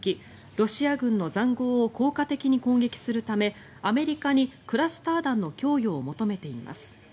ロシア軍の塹壕を効果的に攻撃するためアメリカにクラスター弾の供与を求めています。